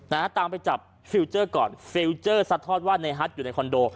นะฮะตามไปจับฟิลเจอร์ก่อนฟิลเจอร์ซัดทอดว่าในฮัทอยู่ในคอนโด